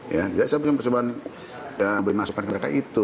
ya saya punya persoalan yang beri masukan ke mereka itu